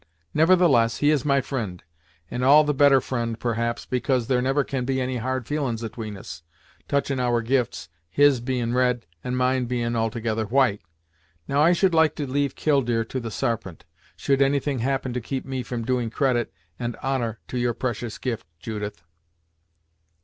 Nevertheless, he is my fri'nd, and all the better fri'nd, perhaps, because there never can be any hard feelin's atween us, touchin' our gifts, his'n bein' red, and mine bein' altogether white. Now, I should like to leave Killdeer to the Sarpent, should any thing happen to keep me from doing credit and honor to your precious gift, Judith."